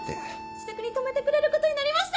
自宅に泊めてくれることになりました！